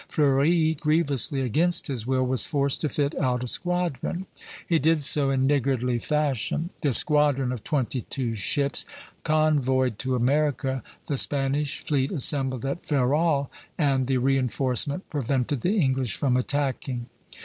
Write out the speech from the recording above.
Fleuri, grievously against his will, was forced to fit out a squadron; he did so in niggardly fashion." This squadron, of twenty two ships, convoyed to America the Spanish fleet assembled at Ferrol, and the reinforcement prevented the English from attacking.